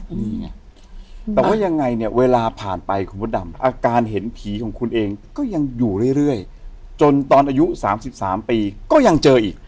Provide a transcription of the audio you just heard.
นี่ไงแต่ว่ายังไงเนี่ยเวลาผ่านไปคุณมดดำอาการเห็นผีของคุณเองก็ยังอยู่เรื่อยจนตอนอายุ๓๓ปีก็ยังเจออีก